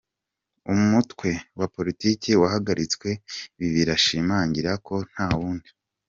umutwe wa politiki wahagaritswe ibi birashimangira ko nta wundi